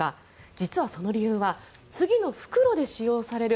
実はその理由は次の復路で使用される